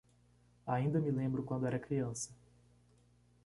Ainda me lembro quando era criança.